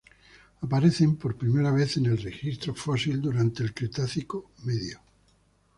Aparecen por primera vez en el registro fósil durante el Cretácico Medio.